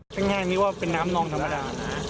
ง่ายนี่ว่าเป็นน้ำนองธรรมดานะ